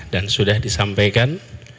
dan sudah disampaikan